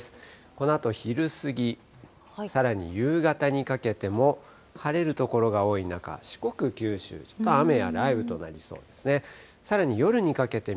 このあと昼過ぎ、さらに夕方にかけても、晴れる所が多い中、四国、九州、雨や雷雨となりそうですね。